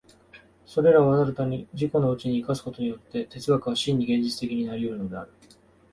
それらを新たに自己のうちに生かすことによって、哲学は真に現実的になり得るのである。